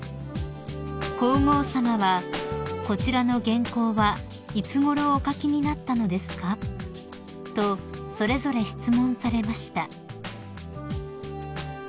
皇后さまは「こちらの原稿はいつごろお書きになったのですか？」とそれぞれ質問されました］